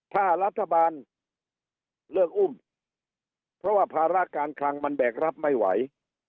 ถ้ารัฐบาลเลิกอุ้มเพราะว่าภาระการคลังมันแบกรับไม่ไหว